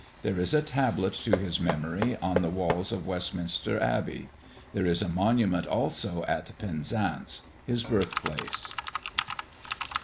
There is a tablet to his memory on the walls of Westminster Abbey. There is a monument also, at Penzance, his birth place.